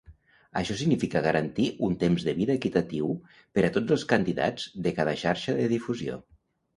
Això significa garantir un temps de vida equitatiu per a tots els candidats de cada xarxa de difusió.